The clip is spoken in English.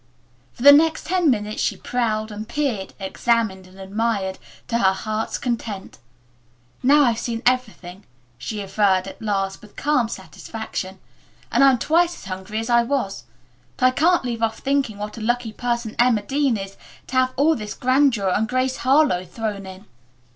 For the next ten minutes she prowled and peered, examined and admired, to her heart's content. "Now I've seen everything," she averred, at last, with calm satisfaction, "and I'm twice as hungry as I was. But I can't leave off thinking what a lucky person Emma Dean is to have all this grandeur and Grace Harlowe thrown in."